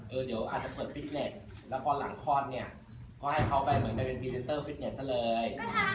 เดี๋ยวอาจจะเปิดฟิตเน็ตแล้วพอหลังคลอดเนี่ยก็ให้เขาไปเหมือนไปเป็นพรีเซนเตอร์ฟิตเน็ตซะเลย